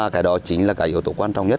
cái đó chính là yếu tố quan trọng nhất